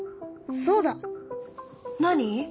そうだ！何？